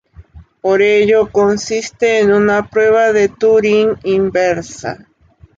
Por ello, consiste en una prueba de Turing inversa.